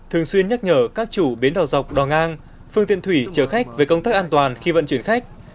thường xuyên nhắc nhở các chủ bến đỏ dọc đò ngang phương tiện thủy chở khách về công tác an toàn khi vận chuyển khách